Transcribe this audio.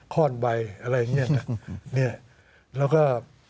ข้อนใบอะไรอย่างเงี้ยแล้วก็